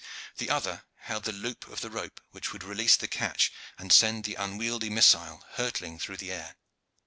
The other held the loop of the rope which would release the catch and send the unwieldy missile hurtling through the air.